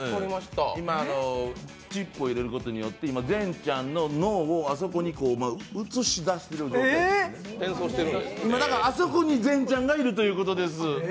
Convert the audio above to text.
今、チップを入れることによって善ちゃんの脳をあそこに映し出すので、あそこに善ちゃんがいるっていうことです。